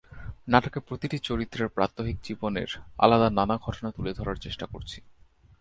নাটকে প্রতিটি চরিত্রের প্রাত্যহিক জীবনের আলাদা নানা ঘটনা তুলে ধরার চেষ্টা করছি।